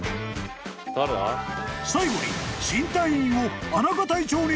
［最後に］